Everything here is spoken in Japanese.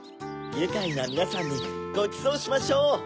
ゆかいなみなさんにごちそうしましょう！